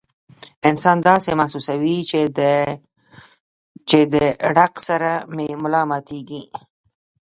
انسان داسې محسوسوي چې د ړق سره مې ملا ماتيږي